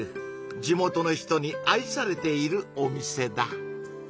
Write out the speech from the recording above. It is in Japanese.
地元の人に愛されているお店だ。